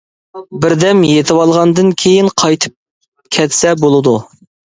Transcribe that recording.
-بىردەم يېتىۋالغاندىن كېيىن قايتىپ كەتسە بولىدۇ.